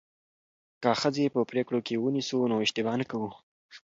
که ښځې په پریکړو کې ونیسو نو اشتباه نه کوو.